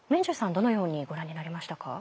どのようにご覧になりましたか？